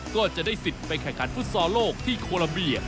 ก็จะได้สิทธิ์ไปแข่งขันฟุตซอลโลกที่โคลัมเบีย